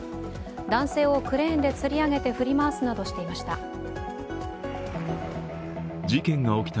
男性をクレーンでつり上げて振り回すなどしていました。